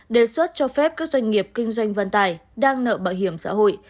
đề xuất cho phép các doanh nghiệp kinh doanh vận tải đang nợ bảo hiểm xã hội